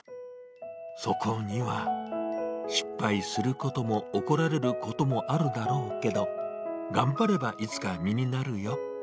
そこには、失敗することも怒られることもあるだろうけど、頑張れば、いつか身になるよ。